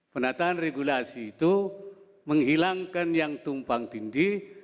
penataan regulasi itu menghilangkan yang tumpang tindih